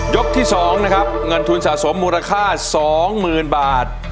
ที่๒นะครับเงินทุนสะสมมูลค่า๒๐๐๐บาท